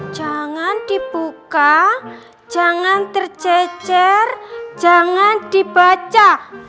jangan dibuka jangan tercecer jangan dibaca